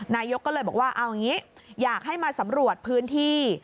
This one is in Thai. นายกก็เลยบอกว่าเอาอย่างนี้อยากให้มาสำรวจพื้นที่